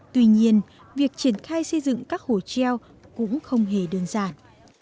tuy nhiên việc triển khai xây dựng các hồ treo cũng không hề đơn giản